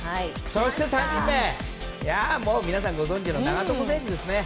そして３人目皆さんご存じの長友選手ですね。